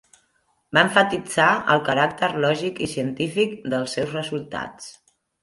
Va emfasitzar el caràcter lògic i científic dels seus resultats.